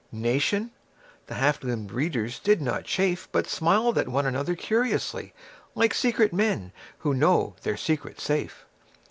Nation? The half limbed readers did not chafe But smiled at one another curiously Like secret men who know their secret safe.